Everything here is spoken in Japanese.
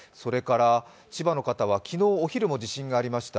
千葉の方は昨日お昼も地震がありました。